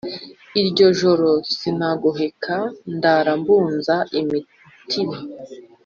Iryo joro sinagohekaNdara mbunza imitima